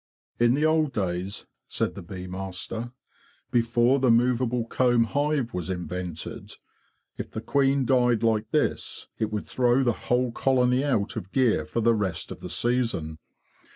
72 THE BEE MASTER OF WARRILOW "In the old days,'' said the bee master, '' before the movable comb hive was invented, if the queen died like this, it would throw the whole colony out of gear for the rest of the season.